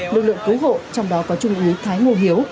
lực lượng cứu hộ trong đó có trung úy thái ngô hiếu